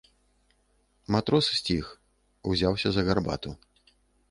Матрос сціх, узяўся за гарбату.